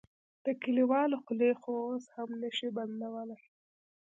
د کليوالو خولې خو اوس هم نه شې بندولی.